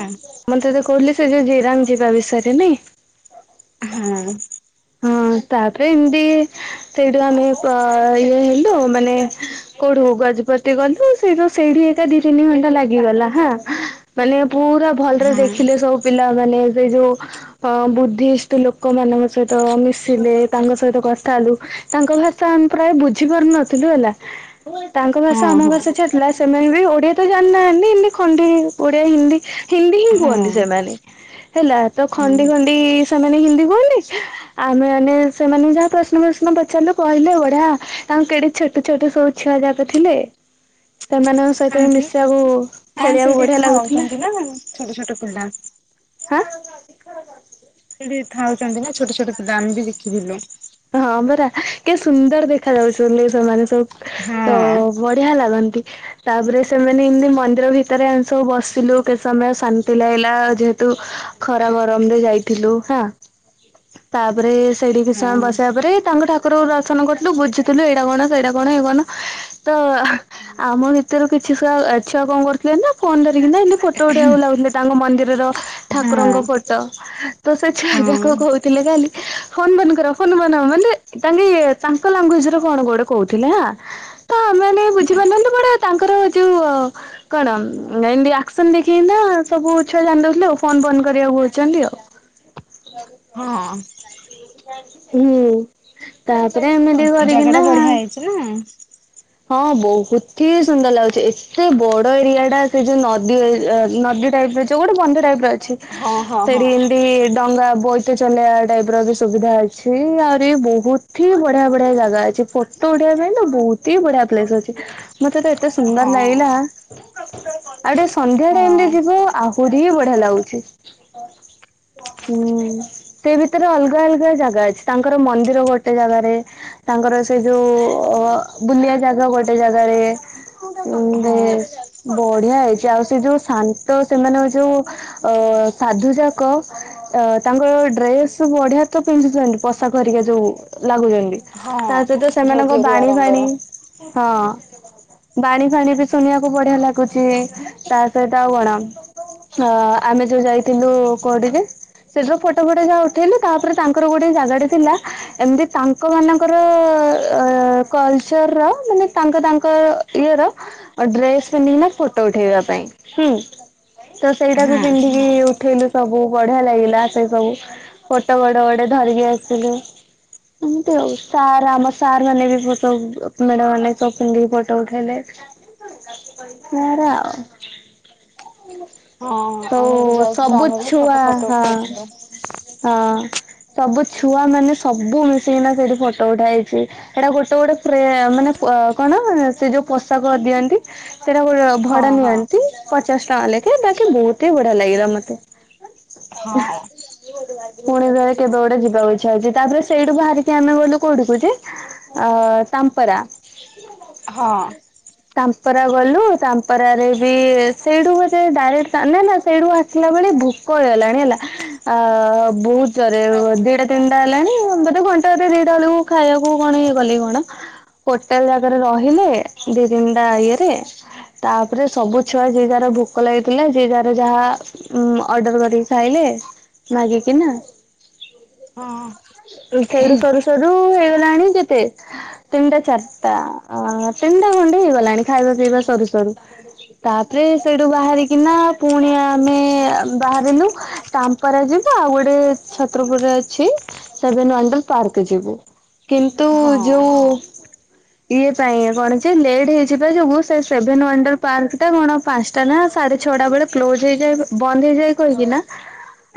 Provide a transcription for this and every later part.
ହଁ ମୁତେ ତ କହିଲି ସେ ଯେ ଜିରାମ ଯିବା ବିଷୟରେ ନାଇ ହଁ ହଁ ତାପରେ ଏମିତି ସେଇଠୁ ଆମେ ଅ ଇଏ ହେ ମାନେ କୋଠୁ ଗଜପତି ଗଲୁ ସେଇ ତ ସେଇଠି ଏକା ଦି ତିନି ଘଣ୍ଟା ଲାଗିଗଲା ହଁ ପିଲଲେ ପୁରା ଭଲରେ ଦେଖିଲେ ସବୁ ପିଲାମାନୋନେ ସେ ଯୋଉ ଅ ବୁଦ୍ଧିଷ୍ଟ ଲୋକମାନାନଙ୍କ ସହିତ ତ ମିଶିଲେ ତାଙ୍କ ସହିତ କ ଲୁ ତାଙ୍କ ଭାଷା ଆମେ ପ୍ରାୟ ବୁଝି ପାରୁ ନଥିଲୁ ହେଲା ତାଙ୍କ ଭାଷା ହଁ ଆମ ହଁ ଭା ଛାଡ଼ିଲା ସେମାନେ ବି ଓଡିଆ ତ ଜାଣିନାହାନ୍ତି ଖଣ୍ଡି ଓଡିଆ ହିନ୍ଦୀ ହିନ୍ଦୀ ହିଁ କୁହନ୍ତି ହଁ ସେମାନେ ହେଲା ତ ହଁ ଖଣ୍ଡି ଖଣ୍ଡି ସେମାନେ ହିନ୍ଦୀ କୁହନ୍ତି ଆମେ ମାନେ ସେମାନେ ଯାହା ପ୍ରଶ୍ନ ପ୍ରଶ୍ନ ପଚାରିଲୁ କହିଲେ ବଢଆ ତାଙ୍କୁ କେଡେ ଛୋଟ ଛୋଟ ସବୁ ାତ ଥିଲେ ସେମାନଙ୍କ ସହିତ ହି କାହିଁକି ମିଶିବାକୁ ହଁ ଖେଳିବାକୁ ସେଇଠି ବଢିଆ ଲାଗୁଥିଲା ଖାଉଛନ୍ତି ନା ଛୋଟ ଛୋଟ ପିଲା ହଁ ସେଠି ଥାଉଛନ୍ତି ନା ଛୋଟ ଛୋଟ ପ ଦ ଆାମ ବି ଦେଖିଥିଲୁ ହଁ ମରା କେ ସୁନ୍ଦର ଦେଖା ଯାଉଛି ସେମାନେ ସବୁ ହଁ ତ ବଢିଆ ଲାଗନ୍ତି ତାପରେ ସେମାନେ ଏମତି ମନ୍ଦିର ଭିତରେ ଆମେ ସବୁ ବସିଲୁ କେତେ ସମୟ ଶାନ୍ତି ଲାଗିଲା ଯେହେତୁ ଖରା ଗରମ ରେ ଯାଇଥିଲୁ ହେଁ ତାପରେ ସେଇଠି ହଁ କିଛିୟ ବ ତାପରେ ତାଙ୍କ ଠାରଙ୍କୁ ଦର୍ଶନ କରିଥିଲୁ ବୁଝୁଥିଲୁ ଏଇଟା କଣ ସେଇଟା କଣ ଏଇ କଣ ତ ଆମ ଭିତରୁ କିଛି ଛୁଆ ଛୁଆ କଣ କରୁଥିଲେ ନା ଫୋନ ଧରିକିନା ଏତି ଫଟୋ ଉଡେଇଆକୁ ଲାଗୁଥିଲେ ତାଙ୍କ ମନ୍ଦିରର ହଁ ଠାକୁରଙ୍କ ଫଟୋ ତ ସେ ଯାକ ହଁ କହୁଥିଲେ ଖାଲି ଫୋନ ମନଙ୍କ ମାନେ ତାଙ୍କେ ତାଙ୍କ ଲାଙ୍ଗୁଜ କଣ କୋଟେ କହୁଥିଲେ ତ ମ ବୁଝ ତାଙ୍କର ଯୋଉ କଣତିସ ଦେଖି ସବୁ ଛୁଆ ଜ ଆ ଫୋ ବ କରିବାକୁଛନ୍ତି ଆଉ ହଁ ହୁଁ ତା ରେ ଏମିତି ଜାଗା ଟା କରିକିନା ହଁ ବଢିଆ ହେଇଛି ନା । ବହୁତ ହି ସୁନ୍ଦର ଲାଗୁଚି। ଏତେ ବଡ ଏରିଆ ଟା ସେ ଯୋଉ ନଦୀ ନଦୀ ଟାଇପ ର ଯୋଉ ଗୋଟେ ବନ୍ଧ ଟାଇପ ର ଅଛି। ହଁ ହଁ ସେଇଠି ହଁ ଏମିତି ଡଙ୍ଗା ବୋଇତ ଚଲେଆ ଟାଇପ ର ବି ସୁବିଧା ଅଛି। ଛି ଆହୁରି ବହୁତ ହି ବଢିଆ ବଢିଆ ଜାଗା ଅଛି। ଫୋଟୋ ଉଢେଇିବା ପାଇଁ ତ ବହୁତ ହି ବଢିଆ ପ୍ଲେସ ଅଛି। ମତେ ତ ଏତେ ସୁନ୍ଦର ହଁ ଲାଗିଲା। ଆଉ ଟିକେ ସନ୍ଧ୍ୟା ହଁ ଟାଇମରେ ଯିବ ଆହୁ ପୁରି ହି ବଢିଆ ଲାଗୁଚି। ହୁଁ ସେ ଭିତରେ ଅଲଗା ଅଲଗା ଜାଗା ଅଛି ତାଙ୍କର ମନ୍ଦିର ଗୋଟେ ଜାଗାରେ ତାଙ୍କର ସେ ଯୋଉ ବୁଲିଆ ଜାଗା ଗୋଟେ ଜାଗାରେ ହଁ ଏ ବଢିଆ ହେଇଛି ଆଉ ସେ ଯୋଉ ଶାନ୍ତ ସେମାନେଙ୍କ ଯୋଉ ଅ ସାଧୁ ଯାକ। ତ ତାଙ୍କ ଡ୍ରେସ ବଢିଆ ତ ପିନ୍ଧି ପଷା କରିକି ଯୋଉ ଲାଗୁଚନ୍ତି। ହଁ ତା ସହିତ ଯୋଉ ସେମାନଙ୍କ ଗେରୁଆ ବାଣି ରଙ୍ଗର ପାଣି ହଁ। ବାଣି ଫାଣି ବି ଶୁଣିବାକୁ ବଢିଆ ଲାଗୁଛି ତା ସହିତ ଆଉ କଣ? ହ ଆମେ ଯୋଉ ଯାଇଥିଲୁ କୋଡିରେ ସେଠୋ ଫଟୋ ଫଟ ଯାହା ଉଠେଇଲୁ। ତାପରେ ତା ଗୋଟେ ଜାଗା ଟେ ଥିଲା। ଏମିତି ତାଙ୍କ ମାନଙ୍କର କଲଚରର ତାଙ୍କ ତାଙ୍କ ଇଏର ଡ୍ରେସ ପିନ୍ଧି ନା ଫଟୋ ଉଠେଇବା ପାଇଁ ହୁଁ। ତ ସେଇଟା ବି ହଁ ପିନ୍ଧିକି ଉଠେଇଲୁ ସବୁ ବଢିଆ ଲାଗିଲା। ସେ ସବୁ ଫଟ ବଡ ବଡ ଧରିକି ଆସିଲୁ। ଏମତି ଆଉ ସାର୍ ଆମ ସାର୍ ମାନେ ବି ଫଟୋ ମେଡ ମାନେ ସବି ଫଟୋ ଉଠାଇଲେ। [unintelligible] ହଁ। ତ ଆମେ ବି ଯାଇଥିଲୁ ସବୁ ଆମେ ବି ଫଟୋ ଛୁଆ ଫଟୋ ହଁ ଉଠେଇଥିଲୁ ହଁ। ସବୁ ଛୁଆ ମାନେ ସବୁ ମିଶିକିନା ସେଇଠି ଫଟୋ ଉଠାହେଇଛି। ହେଟା ଗୋଟେ ଗୋଟେ ପେ ଆଉ ମାନେ ଅ କଣ ସେ ଯୋଉ ପୋଷାକ ଦିଅନ୍ତି। ସେଇଟା ଗୋଟେ ହଁ ଭଡା ହଁ ନିଅନ୍ତି। ପଚାଶ ଟଙ୍କା ଲେଖା ବାକି ବହୁତ ହି ବଢିଆ ଲାଗିଲା ମତେ। ହଁ। ଜଣେ ଯାଇ କେବେ ଗୋଡେ ଯିବାକୁ ଇଚ୍ଛା ହଉଛି। ତାପରେ ସେଇଠୁ ବାହାରିକି ଆମେ ଗଲୁ କୋଉଠିକୁ ଯେ ଅ ତାମ୍ପରା। ହ ହଁ। ତାମ୍ପରା ଗଲୁ ତାମ୍ପରାରେ ବି ସେଇଠୁ ବୋଧେ ଡାଇରେକ୍ଟ ନା ନା ସେଇଠୁ ଆସିଲା ବେଳେ ଭୋକ ହେଇଗଲାଣି ହେଲା ଆ ବହୁତ ରେ ଦିଟା ତିନିଟା ହେଲାଣି। ବୋଧେ ଘଣ୍ଟାରେ ଦିଟା ବେଳକୁ ଖାଇବାକୁ କଣ ଇଏ କଲି କଣ? ହୋଟେଲ ଜାଗାରେ ରହିଲେ ଦି ତିନଟା ଇଏରେ? ତାପରେ ସବୁ ଛୁଆ ଯିଏ ଯାହାର ଭୋକ ଲାଗିଥିଲା। ଯିଏ ଯା ଯାହା ଅର୍ଡର କରିକି ଖାଇଲେ। ମାଗି କି ନା? ହଁ। ହଁ ସେଇଠୁ ସରୁ ସରୁ ହେଇଗଲାଣି କେତେ? ତିନିଟା ଚାରିଟା ଅଁ ତିନିଟା ଖଣ୍ଡେ ହେଇଗଲାଣି ଖାଇବା ପିଇବା ସରୁ ସରୁ। ତାପରେ ସେଇଠୁ ବାହାରିକିନା ପୁଣି ଆମେ ବାହାରିଲୁ ତାମ୍ପରାଜ। ଆଉ ଗୋଟେ ଛତ୍ରପୁରରେ ଅଛି ସେଭେନ ୱାନଡର ପାର୍କ ଯିବୁ। କିନ୍ତୁ ଯୋଉଁ ଇଏ ପାଇଁ କଣ କି ଲେଟ୍ ହେଇଯିବା ଯୋଗୁ। ସେ ସେଭେନ ୱାଣ୍ଡର ପାର୍କ ଟା କଣ ପାଞ୍ଚଟା ନା ସାଢେ ଛଅଟା ବେଳେ କ୍ଲୋଜ ହେଇଯାଏ ବନ୍ଦ ହେଇଯାଏ କହିକି ନା?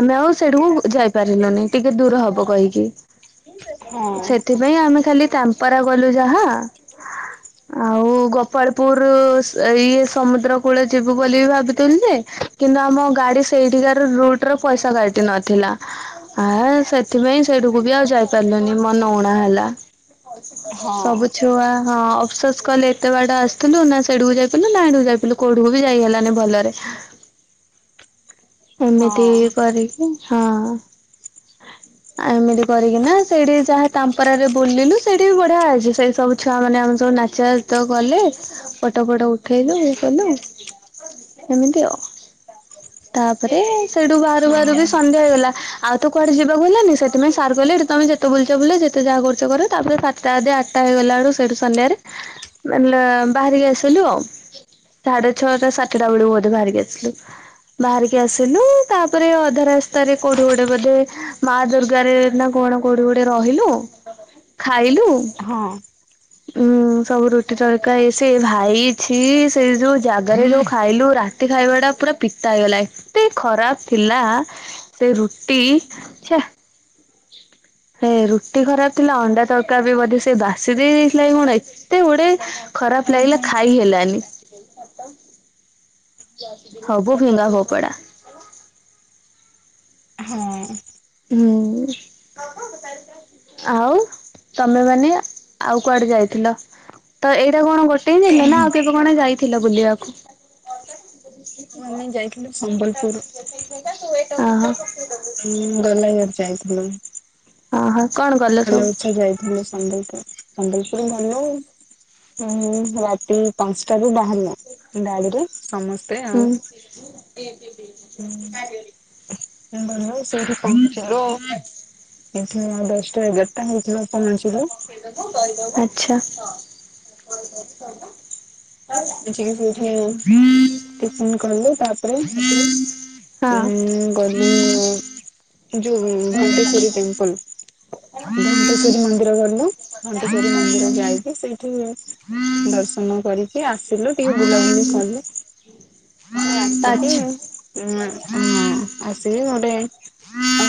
ଆମେ ଆଉ ସେଠକୁ ଯାଇ ପାରିଲୁନି ଟିକେ ଦୂର ହବ କହିକି। ହଁ ସେଥିପାଇଁ ଆମେ ଖାଲି ତାମ୍ପରା ଗଲୁ ଯାହା। ଆଉ ଗୋପାଳପୁର ଇଏ ସମୁଦ୍ର କୂଳ ଯିବୁ ବୋଲି ଭାବୁଥିଲୁ ଯେ? କିନ୍ତୁ ଆମ ଗାଡି ସେଇଠିକାର ରୁଟ ର ପଇସା କାଟି ନଥିଲା। ଆ ସେଥିପାଇଁ ସେଇଠୁକୁ ବି ଆଉ ଯାଇପାରିଲୁନି ମନ ଉଣା ହେଲା। ଭଲ ସ୍ପିକର ଦେ। ହଁ ସବୁ ଛୁଆ ହଁ ଅଫସାସ କଲେ ଏତେ ବାଡେ ଆସିଥିଲୁ ନା ସେଇଡିକୁ ଯାଇପିଲୁ ନା ଆଣୁ ଯାଇଥିଲୁ କଉିକୁ ବି ଯ ଯାଇଗଲାନି ଭଲରେ ହଁ ଏମିତି କରିକି ହଁ ହ ଆ ଏମିତି କରିକିନା ସେଇଠି ଯାହା ତାମ୍ପରାରେ ବୁଲିଲୁ ସେଇଠି ବି ବଢିଆ ହେଇଛି ସେଇ ସବୁ ଛୁଆ ମାନେ ଆମର ସବୁ ନାଚ ଗଲେ ପଟ ଫଟ ଉଠେଇ ଦ ଏ କଲୁ ଏମିତି ଅ ତାପରେ ସେଇଠୁ ବାହାରୁ ହଁ ବାହାରୁ ହଁ ବି ସନ୍ଧ୍ୟା ହେଇଗଲା ଆଉ ତ କୁଆେିବାକୁ ହେଲାନି ସେଥିପାଇ ସାର୍ କହଲେ ଏଠି ତମେତେ ବୁଲଛ ବୁଲେ ଯେତେ ଯା କରଛ କର ତାପରେ ସାତାଧ ଆଠଟା ହେଗଲା ବଳୁ ସେଇଠୁ ସନ୍ଧ୍ୟାରେ। ମାନେ ବାହାରିକି ଆସିଲୁ ଆଉ। ସାଢେ ଛଅଟା ସାତଟା ବେଳକୁ ବୋଧେ ବାହାରି ଆସିଲୁ। ବାହାରିକି ଆସିଲୁ ତାପରେ ଅଧା ରାସ୍ତାରେ କୋଉଠି ଟି ଗୋଟେ ବୋଧେ ମା ଦୁର୍ଗା ରେ ନା କଣ କୋଉଟି ଗୋଟେ ରହିଲୁ। ଖାଇଲୁ। ହଁ। ଉଁ ସବୁ ରୁଟି ତରକା ଏ ସେ ଭାଇ ଛି। ସେଇ ଯୋଉ ଜାଗାରେ ଯୋଉ ଖାଇଲୁ ରାତି। ଖାଇବା ଟା ପୁରା ପିତା ହେଇଗଲା। ଏତେ ଖରାପ ଥିଲା। ତେ ରୁଟି ଛେ। ହେ ରୁଟି ଖରାପ ଥିଲା। ଅଣ୍ଡା ତଡକା ବି ବୋଧେ ସେ ବାସି ଦେଇ ଦେଇଥିଲା କି କଣ। ଏତେ ଗୁଡେ ଖରାପ ଲାଗିଲା ଆଉ ଖାଇ ହେଲାନି। ହବୁ ଫିଙ୍ଗା ଫୋପଡା। ହୁଁ [unintelligible] ଆଉ। ତମେ ମାନେ ଆଉ କୁଆଡେ ଯାଇଥିଲ। ତ ଏଇଟା କଣ କୋ [unintelligible] ନା ଆଉ କେବେ କଣ ଯାଇଥିଲ ବୁଲିବାକୁ। ଆମେ ଯାଇଥିଲୁ ସମ୍ବଲପୁର [unintelligible] ଅହ। ହୁଁ। ଗଲା ଇଆଡୁ ଯାଇଥିଲୁ। ଓ ହ। ଭଲ ଉଛା ଯାଇଥିଲୁ ସମ୍ବଲପୁର। ସମ୍ବଲପୁର ଗଲୁ। ହୁଁ ରାତି ପାଞ୍ଚଟାାରୁୁ ବାହାରିଲୁ ଗାଡିରେ ସମସ୍ତେ ଆଉ। ଏ ବିିବ ଯେମତି କ [unintelligible] ହଁ ସେଇଠି ପହଁଞ୍ଚିବ ଆଉ ସେଇଠି ନ ଦଶ୍ଟା ଏଗା ହେଇଯିବ ପହଁଚିବ। ଛା। ଦେଖିକି ସେଇଠି ଟିଫିନ୍ କଲେ ତାପରେ ହଁ ଉଁ ଗଲୁ ଯୋଉ ଘଣ୍ଟେଶ୍ଵରୀ ଟେମ୍ପଲ୍। ଘଣ୍ଟେଶ୍ଵରୀ ମନ୍ଦିର ଗଲୁ ଘଣ୍ଟେଶ୍ଵରୀ ମନ୍ଦିର ଯାଇକି ସେଇଠି ଦର୍ଶନ କରିକ୍ ଟିକେ ଆସିଲୁ ଟିକେ ବୁଲାବୁଲି କଲୁ ସେ ଆସିକି ଆଚ୍ଛା। ଉଁ ହୁଁ ଆସିକି ଗୋଟେ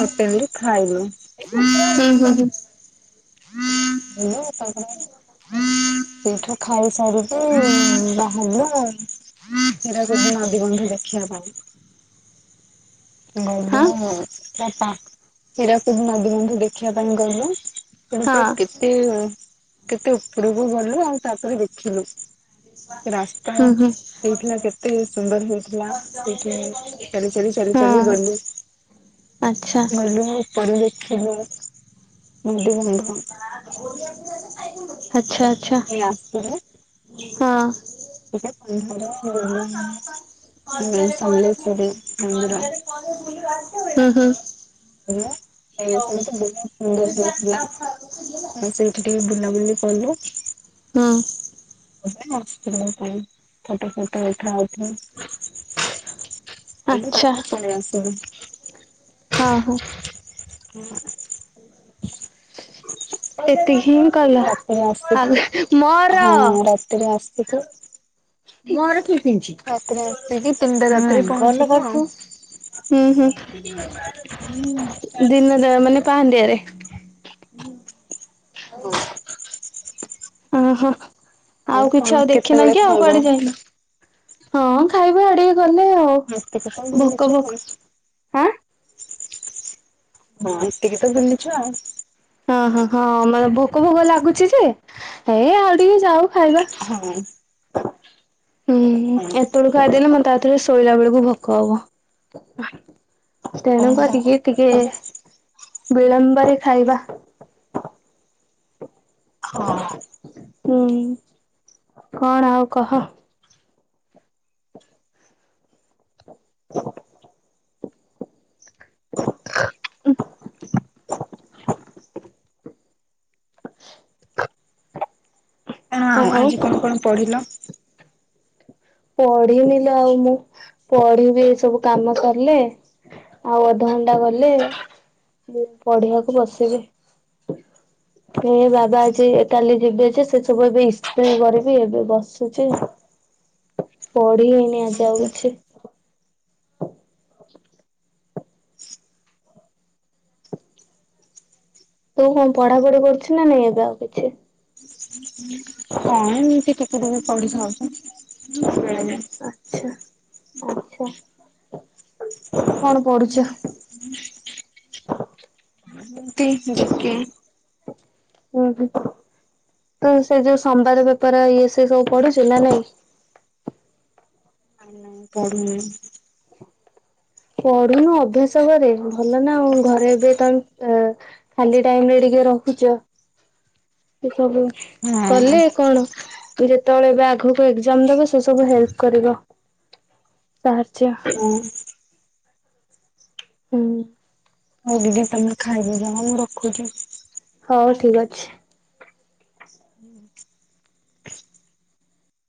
ହୋଟେଲରେ ଖାଇଲୁ। [unintelligible] ମୁଁ ତାଙ୍କର ସେଇଠୁ ଖାଇସାରିକି ବାହାରିଲୁ ଆଉ ହିରାକୁଦ୍ ନଦିବ ଦେଖିବା ପାଇଁ । ଗଲୁ ହଁ ଚାପା ହିରାକୁଦ୍ ନଦୀ ବନ୍ଧ ଦେ ଦେଖିବା ପାଇଁ ଗଲୁ ତେଣୁ ପୁରା ହଁ କେତେ କେତେ ଉପରକୁ ଗଲୁ ଆଉ ତାପରେ ଦେଖିଲୁ। ରାସ୍ତା ହୁଁ ହୁଁ ହେଇଥିଲା କେତେ ସୁନ୍ଦର ହେଇଥିଲା ସେଠି ଚାଲି ଚାଲି ଚାଲି ଚଳି ହଁ। ଗଲୁ ଆଚ୍ଛା [inaudible] ଗଲୁ ମୋ ଉପରେ ଦେଖିଲୁ। [inaudible] ହୁଁ। ଆସ ଖାଇ [unintelligible] ହୋଏ ଆସୁନୁ। ହଁ। ଗଲୁ ହଜାରେ ପରେ ସମଲେଶ୍ଵରୀ [inaudible] ମନ୍ଦିର ହଜାରେ ପରେ [inaudible] ହୁଁ ହୁଁ। [unintelligible] ସେଇଠି ଟିକବୁ [unintelligible] ହଁ। [unintelligible] ଫଟୋ ଫଟ ଉଠା ଆଚ୍ଛା [unintelligible] ପଳେଇ ଆସ। ହଁ ହୋ। ହୁଁ [inaudible] [inaudible] ଏତିକି ହିଁ କଲ ରାତିରେ ଆ ଆସିଲୁ ମୋର ସେଖ ଘୋ ଘର ଠିକ ରାତିରେ ଆସିକି ତିନିଟା ରାତିରେ ପହଞ୍ଚିଲୁ ଆଉ ହୁଁ ହୁଁ ଦିନ ଦ ମାନେ ପାହାଣ୍ଡିଆରେ ହୁଁ ହଁ ଓହୋ ଆଉ କଣ କିଛି ଆଉ ଦେଖିନ କେତେବେଳେ କି ଆଉ ଖାଇବ କୁଆଡେ ଯାଇନ ହଁ ଖାଇବା ଆଡେ ଗଲେ ଆଉ ଏତିକି ତ ଭୋକ ବୁଲିଛୁ ଆଉ। ଭୋକ ଆଁ ହଁ ଏତିକି ତ ବୁଲିଛୁ ଆଉ। ହଁ ହଁ ହଁ ମ ବହୁତ ଭୋଗ ଲାଗୁଛି ଯେ ହେଇ ଆଉ ଟିକେ ଯାଉ ଖାଇବା। ହଁ ହୁଁ ହଁ ଏତେବେଳକୁ ଆଇଦେଲେ ମେ ତା ଥରେ ଶୋଇଲା ବେଳକୁ ଭୋକ ହବ ତେଣୁ ଓହୋ କରିକି ଟିକେ ବିଳମ୍ବରେ ଖାଇବା ହଁ ହୁଁ କଣ ଆଉ କହ ହ ଆଉ ଆଜି କଣ କଣ ପଢିଲ ପଢିନିଲ ଆଉ ମୁଁ ପଢିବି ଏ ସବୁ କାମ କଲେ ଆଉ ଧ ଘଣ୍ଟା ଗଲେ ପଢିବାକୁ ବସିବେ ଏ ବାବା ଅଛି କାଲି ଯିବେ ଅ ସେ ସବୁ ଏବେ ଇସ୍ତ କର ବି ଏବେ ବସୁଛି ପଢି ହେଇନି ଆଜି ଆଉ କିଛି ତୁ କଣ ପଢା ପଢି କରୁଛୁ ନା ନାଇଁ ଏବେ ଆଉ କିଛି କଣ ଏମତି ପଉଛ ଆଛା ଆ୍ଛା କଣ ପଡୁଛ ତି ଦେେ ହ ହ ତ ସେ ଯୋଉ ସମ୍ବାର ବେପାର ଇଏ ସେ ସବୁ ପଢିଛୁ ନା ନାଇଁ ନ ପଡ଼ନ ପଢୁନୁ ଅଭ୍ୟାସ କରେ ଭଲ ନା ଆଉ ଘରେ ଏବେ ତମେ ଅ ଖାଲି ଟାଇମ ରେ ଟିକେ ରହୁଛ ସବୁ ହଁ କଲେ କଣ ତ ଯେ ଯେତେବେଳେ ଏବେ ଆଗକୁ ଏକ୍ଜାମ ଦେବେ ସେ ସବୁ ହେଲ୍ପ କରିବ ସାହାଯ୍ୟ ହଉ ହୁଁ ହଉ ଦିଦି ତମେ ଖାଇବି ଜମା ମୁଁ ରଖୁଛି ହଉ ଠିକ ଅଛି ହୁଁ